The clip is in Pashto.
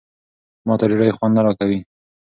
ما ته ډوډۍ خوند نه راکوي.